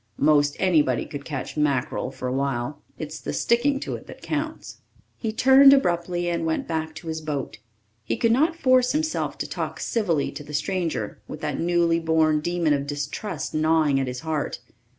"Most anybody could catch mackerel for a while it's the sticking to it that counts." He turned abruptly and went back to his boat. He could not force himself to talk civilly to the stranger, with that newly born demon of distrust gnawing at his heart.